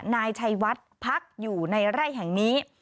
นายชัยวัดพักอยู่ในไร่แห่งนี้